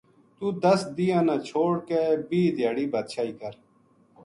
تو ہ دَس دِیہناں نا چھوڈ کے بیہہ دھیاڑی بادشاہی کر